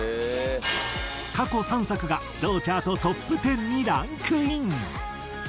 過去３作が同チャートトップ１０にランクイン。